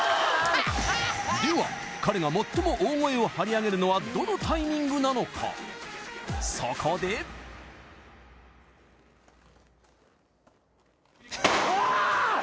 では彼が最も大声を張り上げるのはどのタイミングなのかそこでわあ！